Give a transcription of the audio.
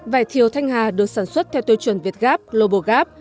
vải thiều thanh hà được sản xuất theo tiêu chuẩn việt gap global gap